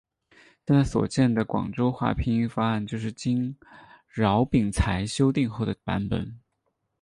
现在所见的广州话拼音方案就是经饶秉才修订后的版本。